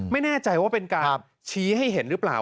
ไม่แน่ใจว่าเป็นการชี้ให้เห็นหรือเปล่า